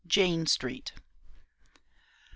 JANE STREET. Mrs.